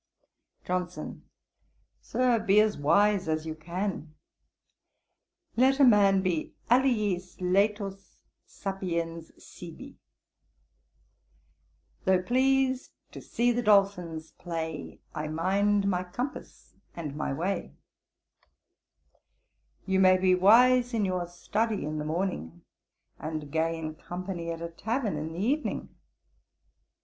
JOHNSON. 'Sir, be as wise as you can; let a man be aliis laetus, sapiens sibi: "Though pleas'd to see the dolphins play, I mind my compass and my way." You may be wise in your study in the morning, and gay in company at a tavern in the evening.